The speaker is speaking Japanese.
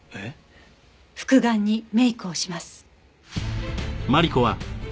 復顔にメイクをします。